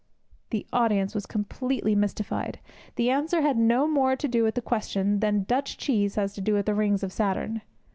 The audience was completely mystified. The answer had no more to do with the question than Dutch cheese has to do with the rings of Saturn.